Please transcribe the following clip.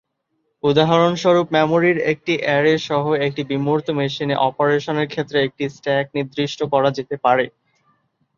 উদাহরণস্বরূপ, মেমরির একটি অ্যারে সহ একটি বিমূর্ত মেশিনে অপারেশনের ক্ষেত্রে একটি স্ট্যাক নির্দিষ্ট করা যেতে পারে।